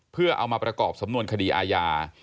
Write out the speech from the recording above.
เพื่อเอามาประกอบสำนวนคดีอาญา